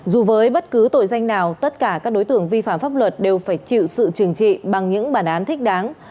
dù với bất cứ tội danh nào tất cả các đối tượng vi phạm pháp luật đều phải chịu sự trừng trị bằng những bản án thích đáng